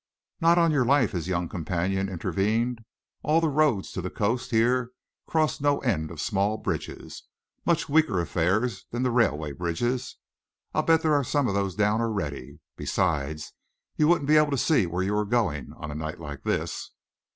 "Not on your life," his young companion intervened. "All the roads to the coast here cross no end of small bridges much weaker affairs than the railway bridges. I bet there are some of those down already. Besides, you wouldn't be able to see where you were going, on a night like this."